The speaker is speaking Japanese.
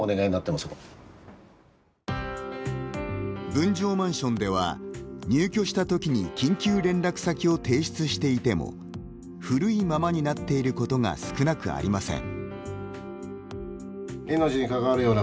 分譲マンションでは入居したときに緊急連絡先を提出していても古いままになっていることが少なくありません。